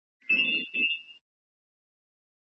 پاکوالی د روغتیا اصلي کیلي ګڼل کیږي.